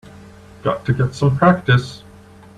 Got to get some practice.